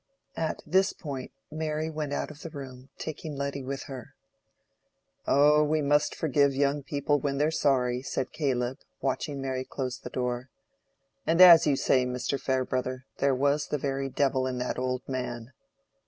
At this point Mary went out of the room, taking Letty with her. "Oh, we must forgive young people when they're sorry," said Caleb, watching Mary close the door. "And as you say, Mr. Farebrother, there was the very devil in that old man.